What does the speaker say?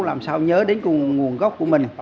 làm sao nhớ đến cái nguồn gốc của mình